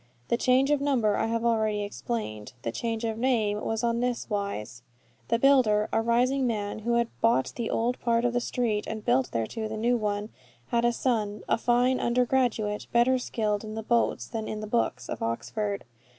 The change of number I have already explained; the change of name was on this wise: The builder, a rising man, who had bought the old part of the street, and built thereto the new one, had a son, a fine undergraduate, better skilled in the boats than in the books of Oxford.